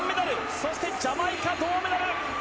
そしてジャマイカ、銅メダル。